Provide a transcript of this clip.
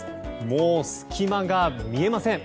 もう、隙間が見えません。